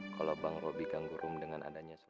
kalau bang robi ganggu rum dengan adanya surat